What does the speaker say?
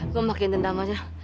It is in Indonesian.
gue makin dendam aja